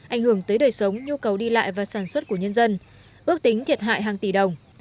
ảnh hưởng tới đời sống nhu cầu đi lại và sản xuất của nhân dân ước tính thiệt hại hàng tỷ đồng